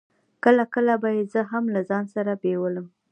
کله کله به يې زه هم له ځان سره بېولم.